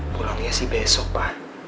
pulangnya sih besok pa